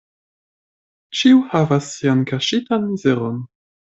Ĉiu havas sian kaŝitan mizeron.